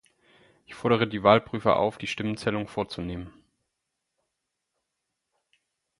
Ich fordere die Wahlprüfer auf, die Stimmenzählung vorzunehmen.